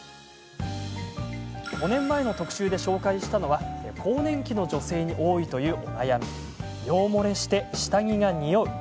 ５年前の特集で紹介したのは更年期の女性に多いお悩み尿漏れして下着が、におう。